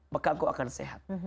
maka aku akan sehat